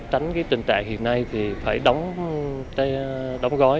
tránh trình trạng hiện nay thì phải đóng gói